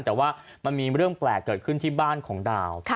แต่ว่ามันมีเรื่องแปลกเกิดขึ้นที่บ้านของดาว